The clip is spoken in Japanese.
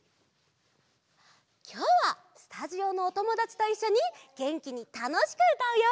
きょうはスタジオのおともだちといっしょにげんきにたのしくうたうよ！